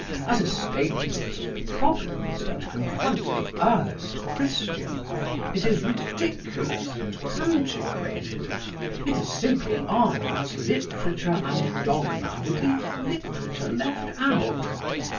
As a statement of the problems that confront the earnest Christian it is ridiculous and antiquated. It is simply Arnold's Literature and Dogma with the literature left out.